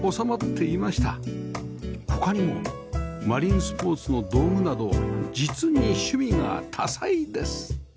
他にもマリンスポーツの道具など実に趣味が多彩です